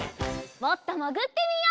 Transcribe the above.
もっともぐってみよう。